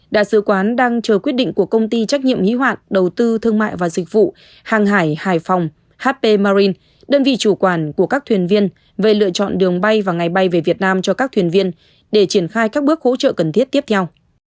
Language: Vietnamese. đại sứ quán đang chờ quyết định của công ty trách nhiệm hữu hoạn đầu tư thương mại và dịch vụ hàng hải hải phòng hp marin đơn vị chủ quản của các thuyền viên về lựa chọn đường bay và ngày bay về việt nam cho các thuyền viên để triển khai các bước hỗ trợ cần thiết tiếp theo